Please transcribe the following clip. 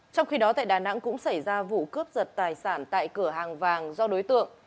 trong khi đó tại đà nẵng cũng xảy ra vụ cướp giật tài sản tại cửa hàng vàng do đối tượng